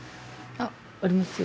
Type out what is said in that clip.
あありますよ。